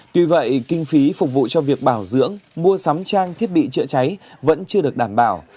tuy vậy kinh phí phục vụ cho việc bảo dưỡng mua sắm trang thiết bị chữa cháy vẫn chưa được đảm bảo